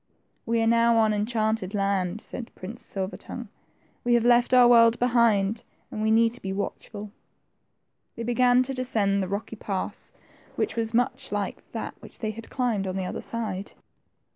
We are now on enchanted land," said Prince Silver tongue; we have left our world behind, and we need to be watchful." They began to descend the rocky pass which was THE TWO FRINGES. 79 much like that they had climbed on the other side.